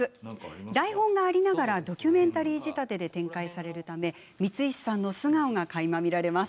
台本がありながらドキュメンタリー仕立てで展開されるため光石さんの素顔がかいま見られます。